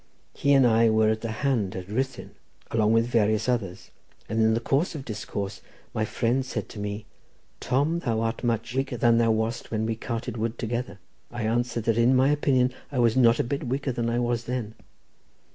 He and I were at the Hand at Ruthyn, along with various others, and in the course of discourse my friend said to me: 'Tom, thou art much weaker than thou wast when we carted wood together.' I answered that in my opinion I was not a bit weaker than I was then.